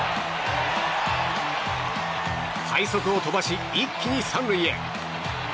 快足を飛ばし一気に３塁へ。